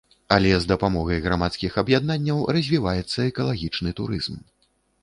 Але з дапамогай грамадскіх аб'яднанняў развіваецца экалагічны турызм.